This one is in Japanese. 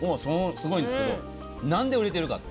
すごいんですけど何で売れているか。